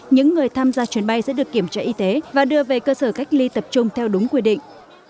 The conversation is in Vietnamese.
những người tham gia chuyến bay sẽ được kiểm tra y tế và đưa về cơ sở cách ly tập trung theo đúng quy định